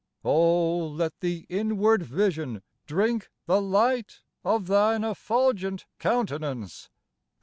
Oh, let the inward vision drink the light Of thine effulgent countenance